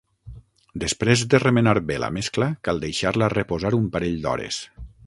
Després de remenar bé la mescla, cal deixar-la reposar un parell d'hores.